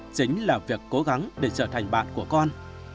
chính là việc cố gắng để trở thành bạn của con